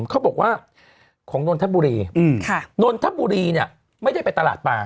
เขาบอกว่าของนนทบุรีนนทบุรีเนี่ยไม่ได้ไปตลาดปลา